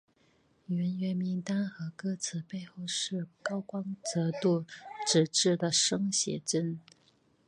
人员名单和歌词背后是高光泽度纸质的生写真。